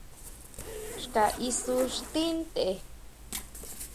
Xka isú xtí tʼen.